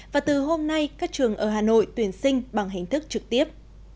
và từ hôm nay các trường ở hà nội tuyển sinh bằng hình thức trực tiếp